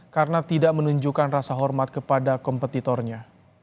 karena tidak menunjukkan rasa hormat kepada kompetitornya